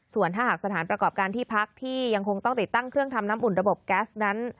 ส่วนถ้าหากสถานประกอบการที่พักที่ยังคงต้องติดตั้งเครื่องทำน้ำอุ่นระบบแก๊สนั้น